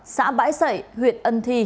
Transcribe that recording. xã bãi sậy huyện ân thi